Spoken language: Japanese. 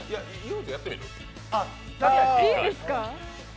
いいですか？